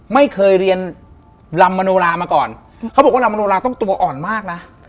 ไม่เคยเรียนลำมโนรามาก่อนเขาบอกว่าลำมโนราต้องตัวอ่อนมากนะ